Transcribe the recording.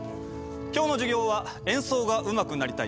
今日の授業は演奏がうまくなりたい